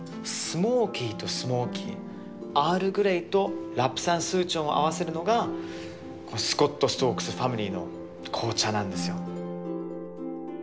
スモーキーとスモーキーアールグレイとラプサンスーチョンを合わせるのがスコット＝ストークス・ファミリーの紅茶なんですよ。